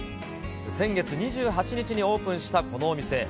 先月２８日にオープンした、このお店。